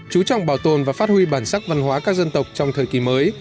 chú trọng bảo tồn và phát huy bản sắc văn hóa các dân tộc trong thời kỳ mới